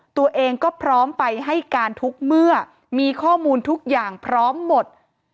ตัวเองก็พร้อมไปให้การทุกเมื่อมีข้อมูลทุกอย่างพร้อมหมด